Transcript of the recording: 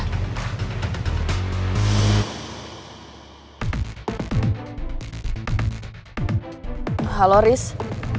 gue tanya keadaannya putri gimana